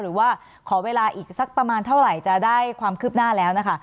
หรือว่าขอเวลาอีกสักประมาณเท่าไหร่จะได้ความคืบหน้าแล้วนะคะ